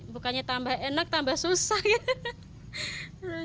bukannya tambah enak tambah susah ya